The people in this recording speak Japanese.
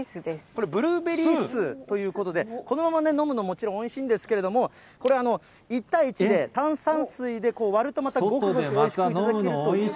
これ、ブルーベリー酢ということで、このまま飲むのももちろんおいしいんですけれども、これ、１対１で炭酸水で割るとまたごくごくおいしく頂けるという。